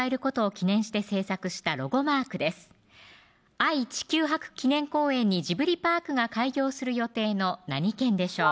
愛・地球博記念公園にジブリパークが開業する予定の何県でしょう